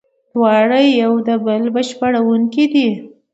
دواړه یو د بل بشپړوونکي دي.